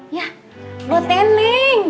ya buat neneng